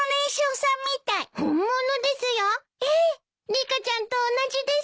リカちゃんと同じです。